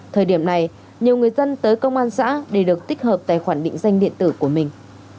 thời điểm này nhiều người dân tới công an xã để được tích hợp tài khoản định danh điện tử của mình